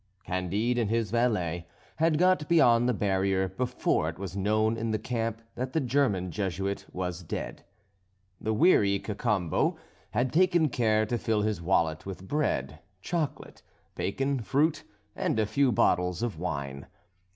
Candide and his valet had got beyond the barrier, before it was known in the camp that the German Jesuit was dead. The wary Cacambo had taken care to fill his wallet with bread, chocolate, bacon, fruit, and a few bottles of wine.